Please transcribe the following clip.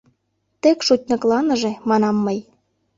Тек шутньыкланыже, — манам мый.